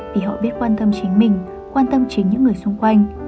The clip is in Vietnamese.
vì họ biết quan tâm chính mình quan tâm chính những người xung quanh